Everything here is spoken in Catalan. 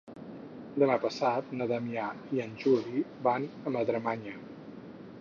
Demà passat na Damià i en Juli van a Madremanya.